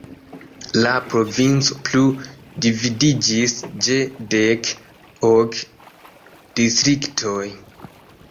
La provinco plu dividiĝis je dek ok distriktoj.